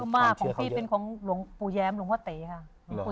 เยอะมากของพี่เป็นของโรงปูแย้มรองวะเต๋เะค่ะ